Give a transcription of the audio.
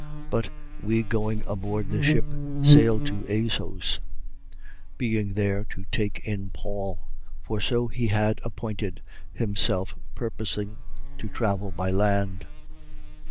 20:13. But we going aboard the ship, sailed to Assos, being there to take in Paul. For so he had appointed, himself purposing to travel by land.